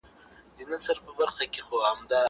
زه به موبایل کار کړی وي!.